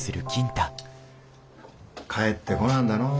帰ってこなんだのう。